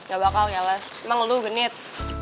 gak bakal ngeles emang lu genit